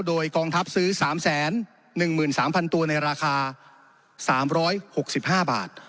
โดยกองทัพซื้อสามแสนหนึ่งหมื่นสามพันตัวในราคาสามร้อยหกสิบห้าบาท